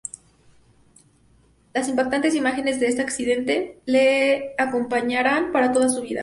Las impactantes imágenes de este accidente le acompañarán para toda su vida.